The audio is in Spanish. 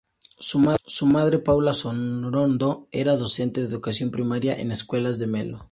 Su madre, Paula Sorondo, era docente de educación primaria en escuelas de Melo.